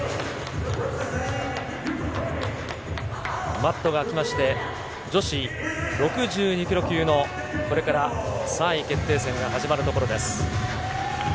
マットがあきまして、女子６２キロ級のこれから３位決定戦が始まるところです。